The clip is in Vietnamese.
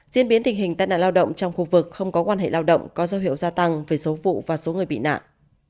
diễn biến tình hình tai nạn lao động trong khu vực không có quan hệ lao động có dấu hiệu gia tăng về số vụ và số người bị nạn